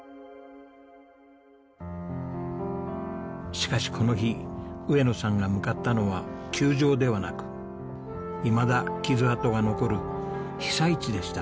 しかしこの日上野さんが向かったのは球場ではなくいまだ傷痕が残る被災地でした。